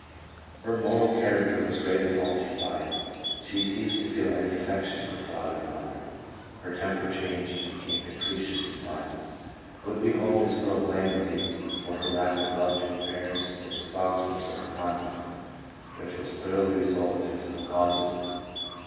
Her moral character was greatly altered by it. She ceased to feel any affection for father or mother. ... Her temper changed, became capricious and violent." 1 Would we hold this girl blameworthy for her lack of love to her parents, or responsible for her conduct, which was clearly the result of physical causes?